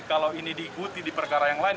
kalau ini diikuti di perkara yang lain